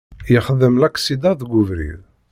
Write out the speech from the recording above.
Yexdem laksida deg ubrid.